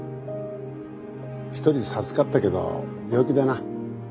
１人授かったけど病気でな。